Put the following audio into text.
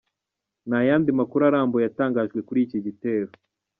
Nta yandi makuru arambuye yatangajwe kuri iki gitero.